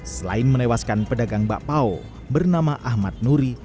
selain menewaskan pedagang bakpao bernama ahmad nuri